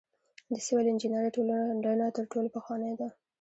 د سیول انجنیری ټولنه تر ټولو پخوانۍ ده.